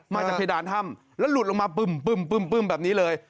มาจากเพดานถ้ำแล้วหลุดลงมาปึ้มแบบนี้เลย